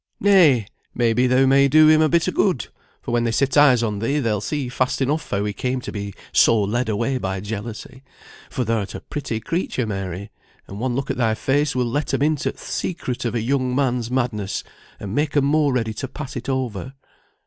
Nay! may be thou may do him a bit o' good, for when they set eyes on thee, they'll see fast enough how he came to be so led away by jealousy; for thou'rt a pretty creature, Mary, and one look at thy face will let 'em into th' secret of a young man's madness, and make 'em more ready to pass it over."